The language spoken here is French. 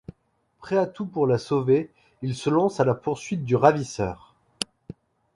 Prêt à tout pour la sauver il se lance à la poursuite du ravisseur.